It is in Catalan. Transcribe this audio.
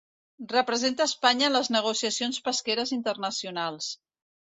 Representa Espanya en les negociacions pesqueres internacionals.